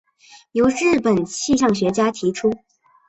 由日本气象学家所提出。